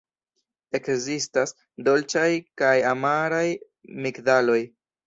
Ekzistas dolĉaj kaj amaraj migdaloj.